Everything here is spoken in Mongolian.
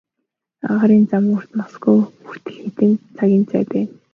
Агаарын зам урт, Москва хүртэл хэдэн цагийн зай байна.